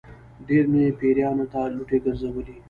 ډېر مې پیرانو ته لوټې ګرځولې.